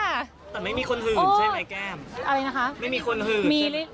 แต่ไม่มีคนหื่นใช่ไหมแก้มไม่มีคนหื่นใช่ไหม